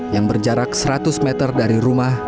yang berjarak seratus meter dari rumah